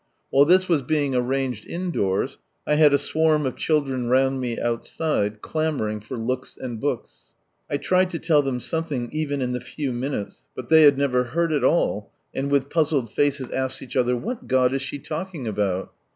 While this was being arranged indoors I had a s of children round me outside, clamouring for looks and books. I tried to tell them something even in the few minutes, but they had never heard at all, and with puzzled faces asked each other, "What God is she talking about?"